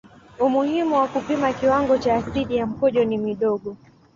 Umuhimu wa kupima kiwango cha asidi ya mkojo ni mdogo.